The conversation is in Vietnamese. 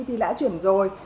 thì đã chuyển rồi